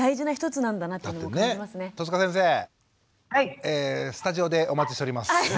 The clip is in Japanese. スタジオでお待ちしております。